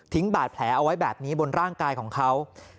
บาดแผลเอาไว้แบบนี้บนร่างกายของเขา